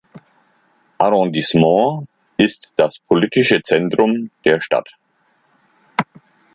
Arrondissement ist das politische Zentrum der Stadt.